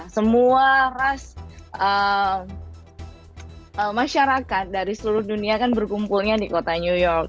semua ras masyarakat dari seluruh dunia kan berkumpulnya di kota new york